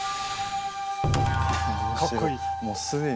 かっこいい。